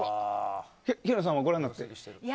平野さんはご覧になってどうでしたか。